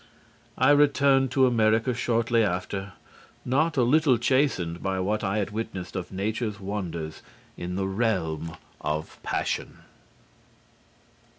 I returned to America shortly after not a little chastened by what I had witnessed of Nature's wonders in the realm of passion.